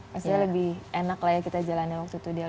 pastinya lebih enak lah ya kita jalannya waktu itu di elbrus